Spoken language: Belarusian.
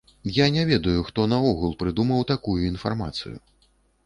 Я не ведаю, хто наогул прыдумаў такую інфармацыю.